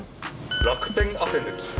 「楽天汗抜」？